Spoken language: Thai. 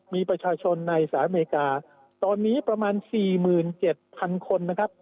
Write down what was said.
มีประชาชนในสหายอเมริกาตอนนี้ประมาณ๔๗๐๐๐คน